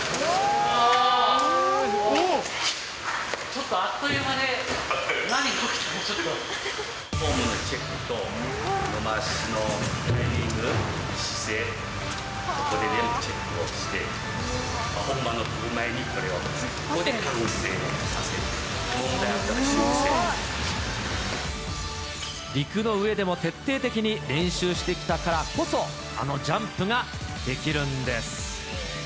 ちょっとあっという間で、フォームのチェックと、伸ばしのタイミング、姿勢、ここで全部をチェックをして、本番の飛ぶ前にこれをここで完成させて、陸の上でも徹底的に練習してきたからこそ、あのジャンプができるんです。